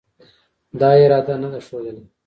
دا اراده نه ده ښودلې